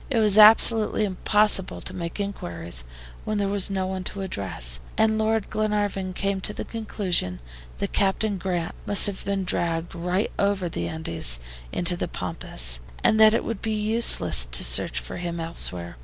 It was absolutely impossible to make inquiries when there was no one to address, and Lord Glenarvan came to the conclusion that Captain Grant must have been dragged right over the Andes into the Pampas, and that it would be useless to search for him elsewhere.